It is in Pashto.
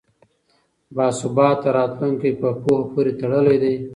باثباته راتلونکی په پوهه پورې تړلی دی.